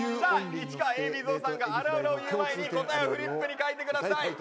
市川ＡＢ蔵さんがあるあるを言う前に答えをフリップに書いてください。